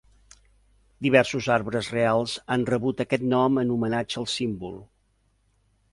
Diversos arbres reals han rebut aquest nom en homenatge al símbol.